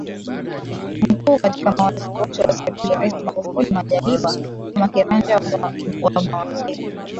Mkuu Katika mawaziri wote wa serikali ya Rais Magufuli Majaliwa kama kiranja wa mawaziri